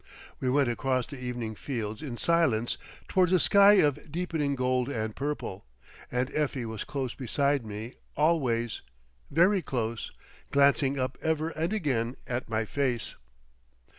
We went across the evening fields in silence, towards a sky of deepening gold and purple, and Effie was close beside me always, very close, glancing up ever and again at my face.